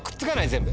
全部。